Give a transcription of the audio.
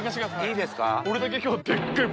いいですか。